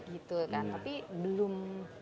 gitu kan tapi belum